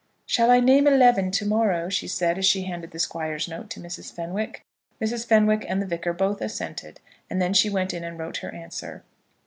"Shall I name eleven to morrow?" she said, as she handed the Squire's note to Mrs. Fenwick. Mrs. Fenwick and the Vicar both assented, and then she went in and wrote her answer.